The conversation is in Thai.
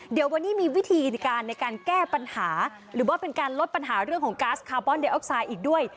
เดี๋ยววันนี้มีวิธีในการในการแก้ปัญหาหรือว่าเป็นการลดปัญหาเรื่องของก๊าซคาร์บอนเดออกไซด์อีกด้วย